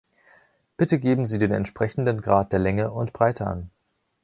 Bitte geben Sie den entsprechenden Grad der Länge und Breite an!